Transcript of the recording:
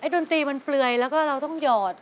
ดนตีมันเปลือยเราก็ต้องหยอด